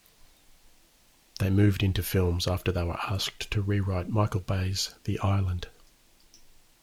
They moved into films after they were asked to rewrite Michael Bay's The Island.